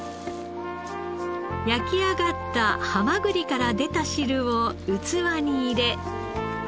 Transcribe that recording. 焼き上がったハマグリから出た汁を器に入れ。